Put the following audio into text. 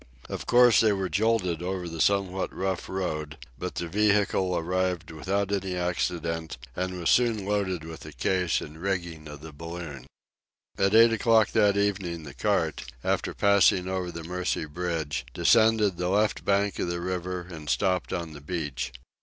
Of course they were jolted over the somewhat rough road, but the vehicle arrived without any accident, and was soon loaded with the case and rigging of the balloon. At eight o'clock that evening the cart, after passing over the Mercy bridge, descended the left bank of the river, and stopped on the beach.